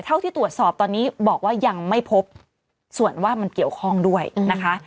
เท่าที่ตรวจสอบตอนนี้บอกว่ายังไม่พบส่วนว่ามันเกี่ยวข้องด้วยนะคะ